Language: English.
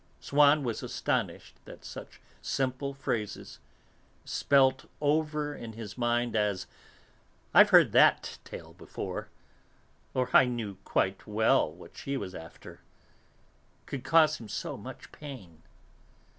Swann was astonished that such simple phrases, spelt over in his mind as, "I've heard that tale before," or "I knew quite well what she was after," could cause him so much pain.